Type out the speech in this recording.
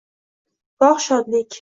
Goh shodlik